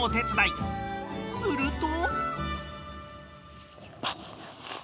［すると］